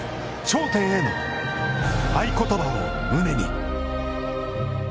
頂点へ」の合い言葉を胸に！